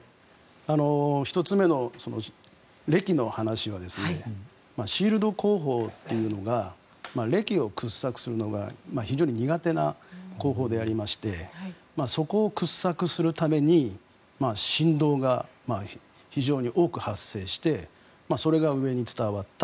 １つ目の礫の話はシールド工法というのが礫を掘削するのが非常に苦手な工法でありましてそこを掘削するために振動が非常に多く発生してそれが上に伝わった。